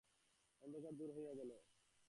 অন্ধকার দূর হইয়া গেল।